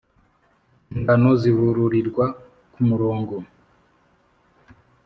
Ingano zihururirwa ku murongo